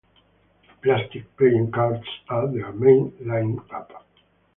Plastic playing cards are their main lineup.